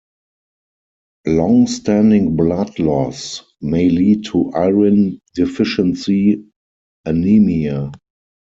Long-standing blood loss may lead to iron-deficiency anemia.